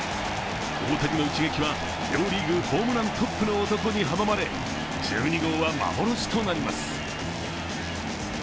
大谷の一撃は、両リーグホームラントップの男に阻まれ、１２号は幻となります。